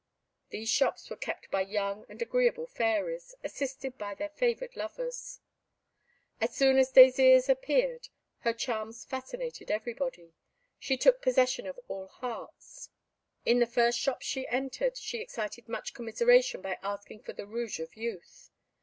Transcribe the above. These shops were kept by young and agreeable fairies, assisted by their favoured lovers. As soon as Désirs appeared, her charms fascinated everybody. She took possession of all hearts. In the first shops she entered she excited much commiseration by asking for the Rouge of Youth.